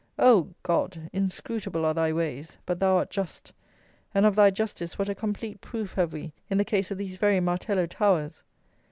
Oh, God! inscrutable are Thy ways; but Thou art just, and of Thy justice what a complete proof have we in the case of these very Martello Towers!